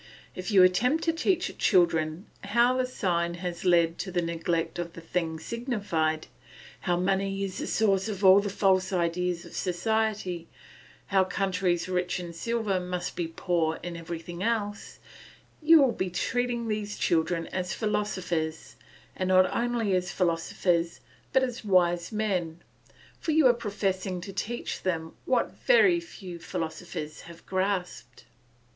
If you attempt to teach children how the sign has led to the neglect of the thing signified, how money is the source of all the false ideas of society, how countries rich in silver must be poor in everything else, you will be treating these children as philosophers, and not only as philosophers but as wise men, for you are professing to teach them what very few philosophers have grasped.